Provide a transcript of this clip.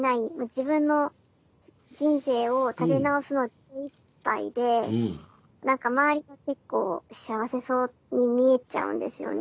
自分の人生を立て直すの精いっぱいで何か周りが結構幸せそうに見えちゃうんですよね。